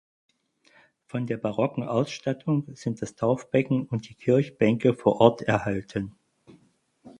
Von der barocken Ausstattung sind das Taufbecken und die Kirchenbänke vor Ort erhalten.